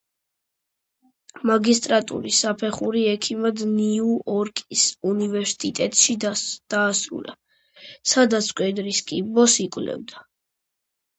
მაგისტრატურის საფეხური ექიმად ნიუ-იორკის უნივერსიტეტში დაასრულა, სადაც მკერდის კიბოს იკვლევდა.